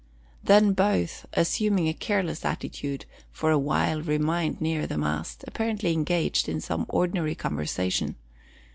Then both, assuming a careless attitude, for a while remained near the mast, apparently engaged in some ordinary conversation.